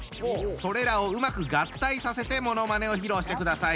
それらをうまく合体させてものまねを披露してください。